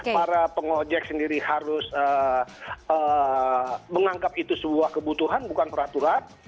para pengojek sendiri harus menganggap itu sebuah kebutuhan bukan peraturan